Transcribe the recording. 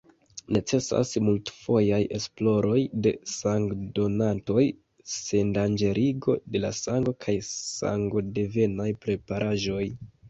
Necesas multfojaj esploroj de sangdonantoj, sendanĝerigo de la sango kaj sangodevenaj preparaĵoj.